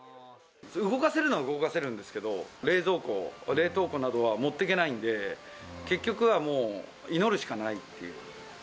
動かせるものは動かせるんですけど、冷蔵庫、冷凍庫などは、持っていけないんで、結局はもう、祈るしかないっていう。